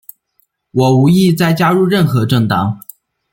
我无意再加入任何政党。